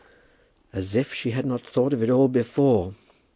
As if she had not thought of it all before!